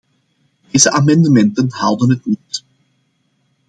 Deze amendementen haalden het niet.